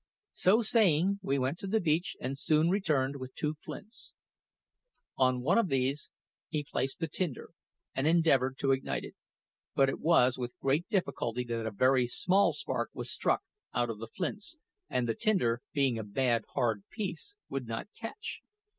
So saying, he went to the beach, and soon returned with two flints. On one of these he placed the tinder, and endeavoured to ignite it; but it was with great difficulty that a very small spark was struck out of the flints, and the tinder, being a bad, hard piece, would not catch.